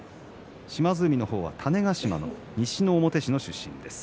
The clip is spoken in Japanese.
島津海は種子島の西之表市の出身です。